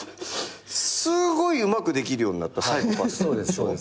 すごいうまくできるようになったサイコパスでしょ？